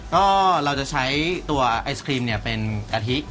ก็เราจะใช้ตัวไอศครีมเป็นกะทิ